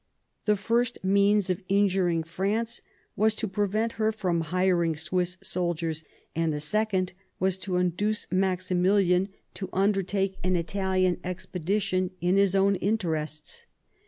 The first means of injuring France was to prevent her from hiring Swiss soldiers, and the second was to induce Maximilian to undertake an Ill THE UNIVERSAL PEACE 41 Italian expedition in his own interests.